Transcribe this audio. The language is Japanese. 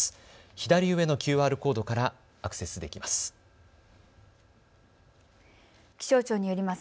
左上のＱＲコードからアクセスできます。